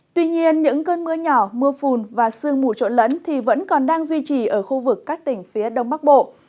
tuy nhiên những cơn mưa nhỏ mưa phùn và sương mù trộn lẫn thì vẫn còn đang duy trì ở khu vực các tỉnh phía đông bắc bộ